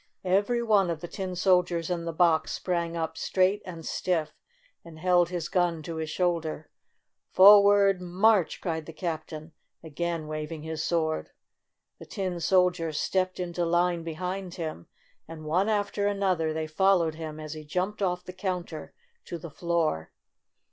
Every one of the tin soldiers in the box sprang up straight and stiff and held his gun to his shoulder. "Forward — march!" cried the captain, again waving his sword. The tin soldiers stepped into line behind him, and, one after another, they followed him as he jumped off the counter to the floor.